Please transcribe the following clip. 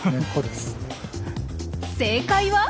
正解は？